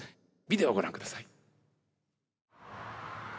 ビデオをご覧ください。